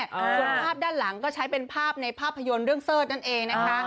ส่วนภาพด้านหลังก็ใช้เป็นภาพในภาพยนตร์เรื่องเสิร์ชนั่นเองนะคะ